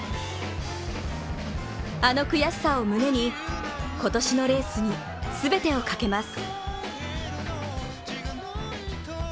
あの悔しさを胸に今年のレースに全てをかけます。